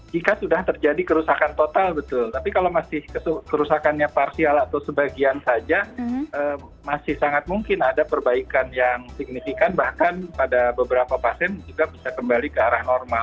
jika sudah terjadi kerusakan total betul tapi kalau masih kerusakannya parsial atau sebagian saja masih sangat mungkin ada perbaikan yang signifikan bahkan pada beberapa pasien juga bisa kembali ke arah normal